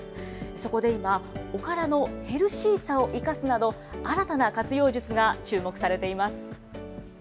そこで今、おからのヘルシーさを生かすなど、新たな活用術が注目されています。